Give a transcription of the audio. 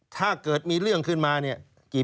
ถ้าเกิดมีเรื่องขึ้นมาเนี่ย